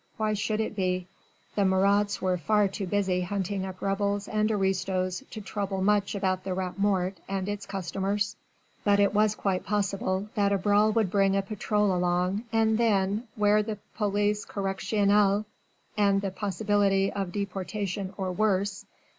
Why should it be? The Marats were far too busy hunting up rebels and aristos to trouble much about the Rat Mort and its customers, but it was quite possible that a brawl would bring a patrol along, and then 'ware the police correctionnelle and the possibility of deportation or worse.